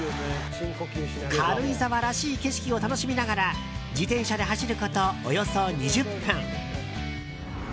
軽井沢らしい景色を楽しみながら自転車で走ること、およそ２０分。